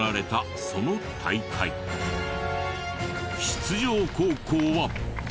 出場高校は。